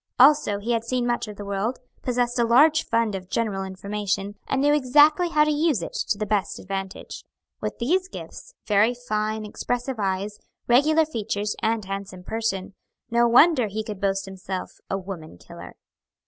Also he had seen much of the world, possessed a large fund of general information, and knew exactly how to use it to the best advantage. With these gifts, very fine, expressive eyes, regular features, and handsome person, no wonder he could boast himself "a woman killer."